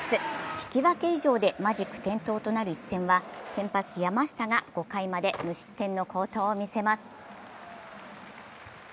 引き分け以上でマジック点灯となる一戦は先発・山下が５回まで無失点の好投を見せます。